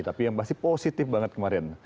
tapi yang pasti positif banget kemarin